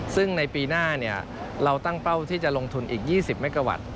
ซึ่งในปีหน้าเราตั้งเป้าที่จะลงทุนอีก๒๐เมกาวัตต์